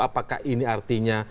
apakah ini artinya